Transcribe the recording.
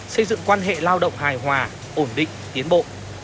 xây dựng quan hệ lao động hài hòa ổn định tiến bộ